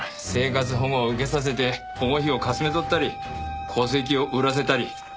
生活保護を受けさせて保護費をかすめ取ったり戸籍を売らせたり。